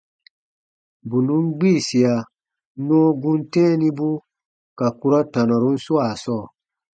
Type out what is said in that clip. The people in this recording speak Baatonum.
Bù nùn gbiisia nɔɔ gum tɛ̃ɛnibu ka kurɔ tanɔrun swaa sɔɔ.